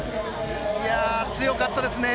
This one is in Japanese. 強かったですね。